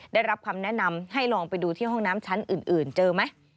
ได้รับคำแนะนำให้ลองไปดูที่ห้องน้ำชั้นอื่นเจอไหม